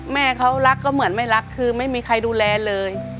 แม่เขารักก็เหมือนไม่รักคือไม่มีใครดูแลเลย